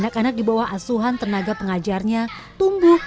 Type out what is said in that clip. anak anak di bawah asuhan tenaga pengajarnya tumbuh